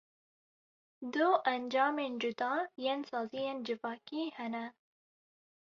Du encamên cuda yên saziyên civakî hene.